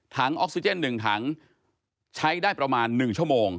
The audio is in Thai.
ออกซิเจน๑ถังใช้ได้ประมาณ๑ชั่วโมง